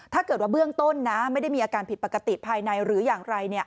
ถ้าเกิดว่าเบื้องต้นไม่ได้มีอาการผิดปกติภายในหรืออย่างไร